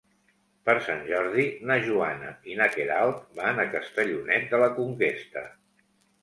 Per Sant Jordi na Joana i na Queralt van a Castellonet de la Conquesta.